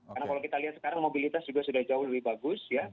karena kalau kita lihat sekarang mobilitas juga sudah jauh lebih bagus